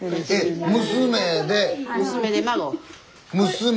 娘で。